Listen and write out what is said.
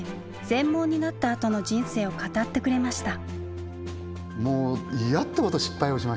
全盲になったあとの人生を語ってくれました。